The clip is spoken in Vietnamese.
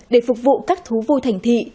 để phục vụ các thú vui thành thị